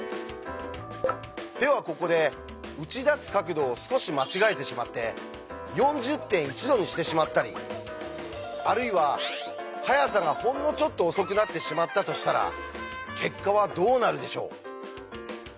ではここで撃ち出す角度を少し間違えてしまって４０．１度にしてしまったりあるいは速さがほんのちょっと遅くなってしまったとしたら結果はどうなるでしょう。